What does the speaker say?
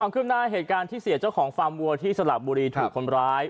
ขึ้นหน้าเหตุการณ์ที่เสียเจ้าของฟาร์มวัวที่สลับบุรีถูกคนร้าย